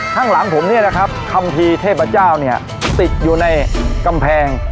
ข้างหลังผมเนี่ยนะครับคัมภีร์เทพเจ้าเนี่ยติดอยู่ในกำแพง